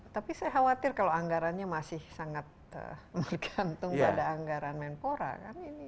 tapi saya khawatir kalau anggarannya masih sangat bergantung pada anggaran menpora kan ini